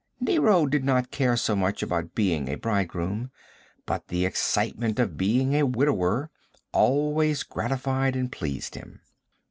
Nero did not care so much about being a bridegroom, but the excitement of being a widower always gratified and pleased him.